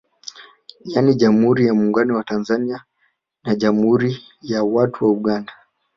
Yani Jammhuri ya Muungano wa Tanzania na Jammhuri ya watu wa Uganda